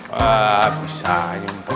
wah bisa nyumpah